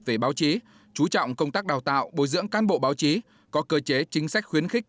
về báo chí chú trọng công tác đào tạo bồi dưỡng can bộ báo chí có cơ chế chính sách khuyến khích